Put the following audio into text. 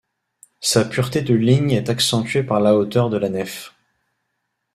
Sa pureté de ligne est accentuée par la hauteur de la nef.